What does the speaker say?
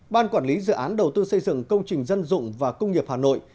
ban quản lý dự án đầu tư xây dựng công trình dân dụng và công nghiệp hà nội